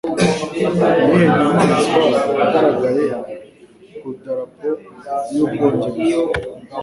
Niyihe nyamaswa yagaragaye ku darapo ya ubwongereza